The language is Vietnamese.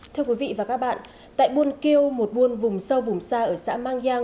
thưa quý vị và các bạn tại buôn kêu một buôn vùng sâu vùng xa ở xã mang giang